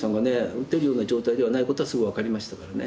打てるような状態ではないことはすぐ分かりましたからね。